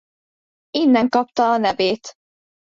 Innen kapta a nevét.